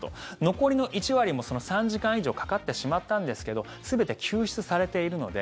残りの１割も３時間以上かかってしまったんですけど全て救出されているので。